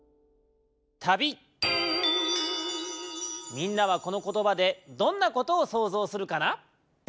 みんなはこのことばでどんなことをそうぞうするかな？